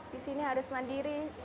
di sini harus mandiri